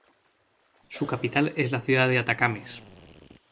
Su capital es la ciudad de Atacames.